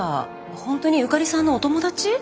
本当に由香利さんのお友達？